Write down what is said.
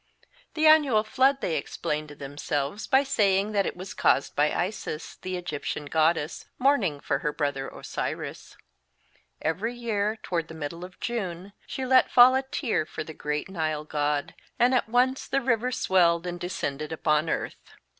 The annual flood they explained to themselves by saying that it was caused by Isis, the Egyptian goddess, mourning for her brother Osiris. Every year, toward the middle of June, she let fall a tear for the great Nile god, and at once the river swelled and descended upon earth.